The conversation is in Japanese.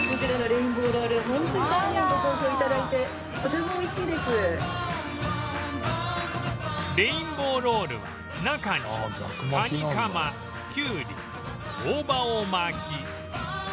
レインボー ＲＯＬＬ は中にカニカマキュウリ大葉を巻き